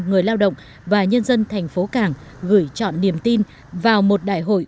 người lao động và nhân dân thành phố cảng gửi chọn niềm tin vào một đại hội